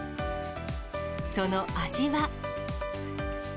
その味は。